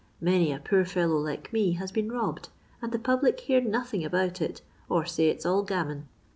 Many a poor fellow like me has been robbed, and the public hear nothing about it, or say it 's all gammon.